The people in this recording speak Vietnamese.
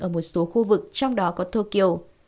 ở một số khu vực trong đó có tokyo